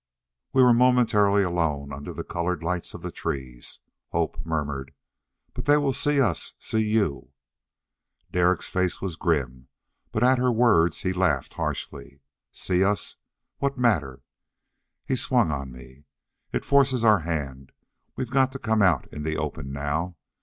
We were momentarily alone under the colored lights of the trees. Hope murmured, "But they will see us see you...." Derek's face was grim, but at her words he laughed harshly. "See us! What matter?" He swung on me. "It forces our hand; we've got to come out in the open now!